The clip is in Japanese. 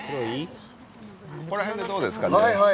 この辺でどうですかね。